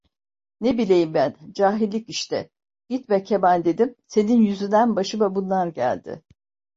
Ne bileyim ben, cahillik işte: "Gitme Kemal" dedim, "senin yüzünden başıma bunlar geldi."